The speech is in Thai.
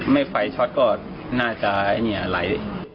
ไม่ไฟช็อตก็น่าจะอะไร